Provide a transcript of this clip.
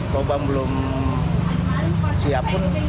pembawa belum siap pun